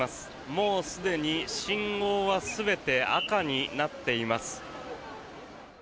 もうすでに信号は全て赤になっています。